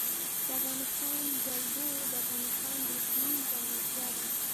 د افغانستان جلکو د افغانستان د اقلیم ځانګړتیا ده.